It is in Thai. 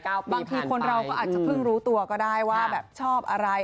บางทีคนเราก็อาจจะเพิ่งรู้ตัวก็ได้ว่าแบบชอบอะไร